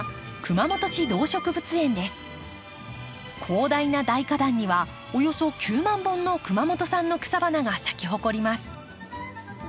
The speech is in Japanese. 広大な大花壇にはおよそ９万本の熊本産の草花が咲き誇ります。